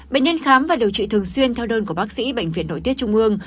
bệnh nhân khám và điều trị thường xuyên theo đơn của bác sĩ bệnh viện nội tiết trung ương